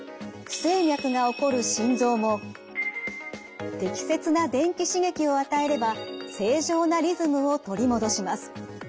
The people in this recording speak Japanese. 不整脈が起こる心臓も適切な電気刺激を与えれば正常なリズムを取り戻します。